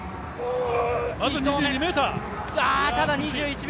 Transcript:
まず２２ｍ！